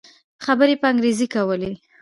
خبرې يې په انګريزي کولې.